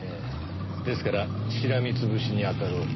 ですからしらみ潰しに当たろうかと。